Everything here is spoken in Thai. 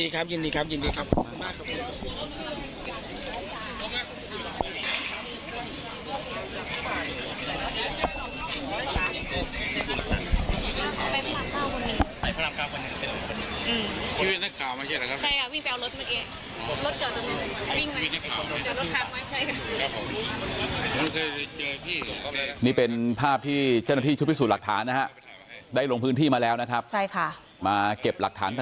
ครับขอบคุณค่ะยินดีครับยินดีครับยินดีครับขอบคุณ